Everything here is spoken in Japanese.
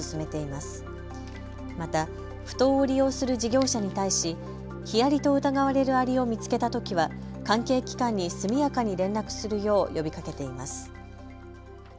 また、ふ頭を利用する事業者に対しヒアリと疑われるアリを見つけたときは関係機関に速やかに連絡するよう呼びかけています。